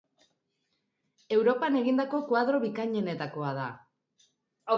Europan egindako koadro bikainenetakoa da.